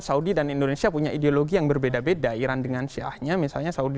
saudi dan indonesia punya ideologi yang berbeda beda iran dengan syiahnya misalnya saudi